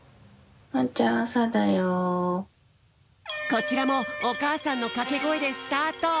こちらもおかあさんのかけごえでスタート！